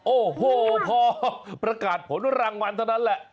โอ้โหพอประกาศผลรางวัลเท่านั้นแหละ